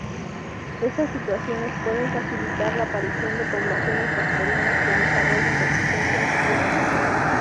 Estas situaciones pueden facilitar la aparición de poblaciones bacterianas que desarrollen resistencia antibiótica.